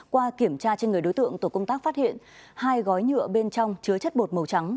qua kiểm tra trên người đối tượng tổ công tác phát hiện hai gói nhựa bên trong chứa chất bột màu trắng